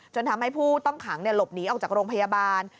จนทำให้ผู้ต้องขังหลบหนีออกจากโรงพยาบาล